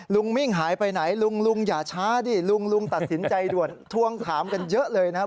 มิ่งหายไปไหนลุงลุงอย่าช้าดิลุงลุงตัดสินใจด่วนทวงถามกันเยอะเลยนะครับ